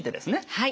はい。